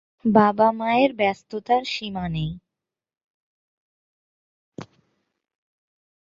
বাবা মায়ের ব্যস্ততার সীমা নেই।